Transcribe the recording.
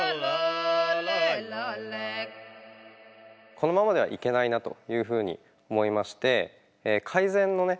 このままではいけないなというふうに思いまして改善のね